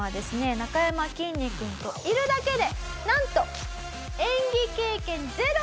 なかやまきんに君といるだけで。